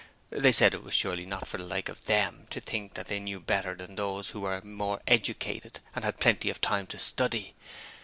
They said it was surely not for the Like of Them to think that they knew better than those who were more educated and had plenty of time to study.